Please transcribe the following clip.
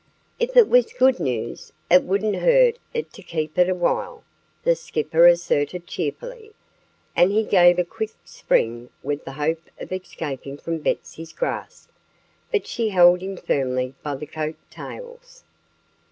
"If it was good news it wouldn't hurt it to keep it a while," the Skipper asserted cheerfully. And he gave a quick spring, with the hope of escaping from Betsy's grasp. But she held him firmly by the coat tails.